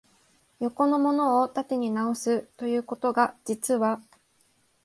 横のものを縦に直す、ということが、実は、